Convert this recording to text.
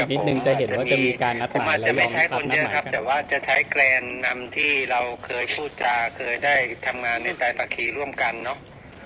ผมอาจจะไม่ใช้คนเยอะครับแต่ว่าจะใช้แกรนนำที่เราเคยพูดจาเคยได้ทำงานในสายตาคีร่วมกันเนอะ